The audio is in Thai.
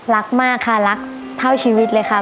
รักมากค่ะรักเท่าชีวิตเลยค่ะ